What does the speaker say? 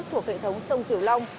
thuộc hệ thống sông kiều long